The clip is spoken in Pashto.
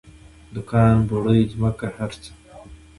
دوکان بوړۍ ځمکې هر څه.